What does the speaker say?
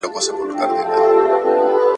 یا په رپ کي یې د سترګو یې پلورلی ,